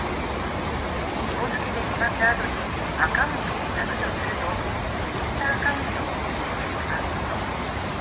ひも付けてしまったあとにアカウントを削除するとインスタアカウントも消えてしまうこと。